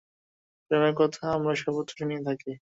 প্রেমের কথা আমরা সর্বত্র শুনিয়া থাকি।